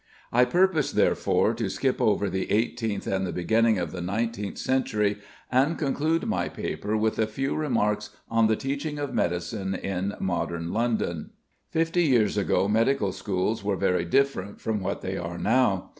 I purpose, therefore, to skip over the eighteenth and the beginning of the nineteenth century, and conclude my paper with a few remarks on the teaching of medicine in modern London. [Illustration: SURGEONS' HALL, OLD BAILEY.] Fifty years ago medical schools were very different from what they are now.